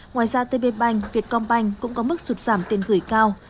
ngoài ra tb bank vietcom bank cũng có mức sụt giảm tiền gửi cao